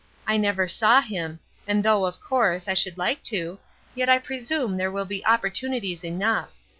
I never saw him, and though, of course, I should like to, yet I presume there will be opportunities enough.